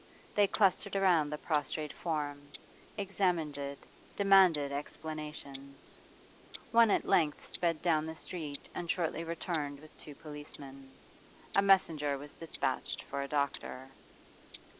They clustered around the prostrate form, examined it, demanded explanations. One at length sped down to the street and shortly returned with two policemen. A messenger was despatched for a doctor.